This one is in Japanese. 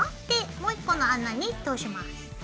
でもう１個の穴に通します。